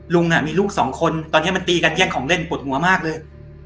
ลุงมีลูกสองคนตอนนี้มันตีกันแย่งของเล่นปวดหัวมากเลย